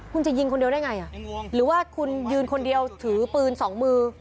คุณจะยิงคนเดียวได้ไงหรือว่าคุณยืนคนเดียวถือปืนสองมือ